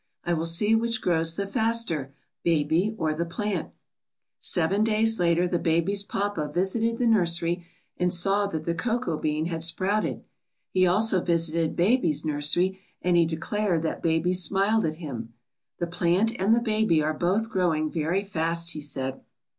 I will see which grows the faster, baby or the plant.' ^^Seven days later the baby's papa visited the nursery and saw that the cocoa bean had sprouted. He also visited baby's nursery and he declared that baby smiled at him. The plant and the baby are both growing very fast,' he said.